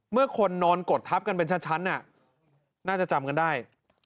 เมื่อคนนอนกดทับกันเป็นชั้นน่าจะจำกันได้